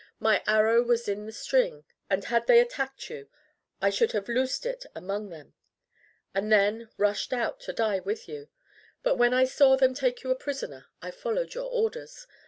My arrow was in the string, and had they attacked you I should have loosed it among them, and then rushed out to die with you, but when I saw them take you a prisoner I followed your orders.